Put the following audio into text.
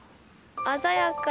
鮮やか。